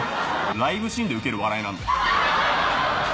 ライブシーンでウケる笑いなんだ。